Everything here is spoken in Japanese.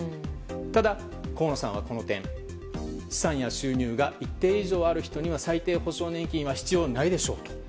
ただ河野さんはこの点、資産や収入が一定以上ある人には最低保障年金は必要ないでしょうと。